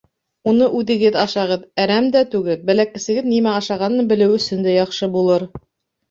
Уны үҙегеҙ ашағыҙ: әрәм дә түгел, бәләкәсегеҙ нимә ашағанын белеү өсөн дә яҡшы булыр.